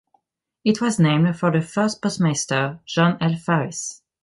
It was named for the first postmaster, John L. Farris.